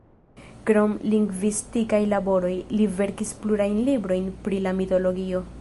Krom lingvistikaj laboroj, li verkis plurajn librojn pri la mitologio.